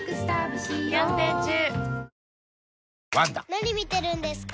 ・何見てるんですか？